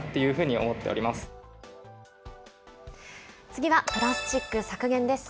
次はプラスチック削減です。